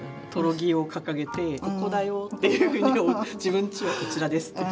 木を掲げてここだよっていうふうに自分ちはこちらですって。